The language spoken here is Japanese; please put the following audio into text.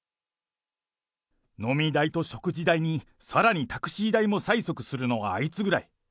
飲み代と食事代にさらにタクシー代も催促するのはあいつぐらい。